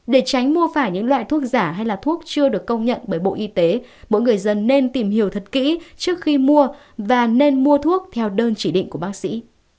để tránh mua phải những loại thuốc giả hay là thuốc chưa được công nhận bởi bộ y tế mỗi người dân nên tìm hiểu thật kỹ trước khi mua và nên mua thuốc theo đơn chỉ định của bác sĩ